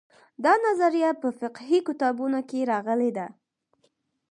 دا نظریه په فقهي کتابونو کې راغلې ده.